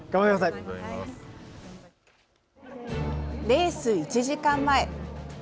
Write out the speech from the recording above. レース１時間前。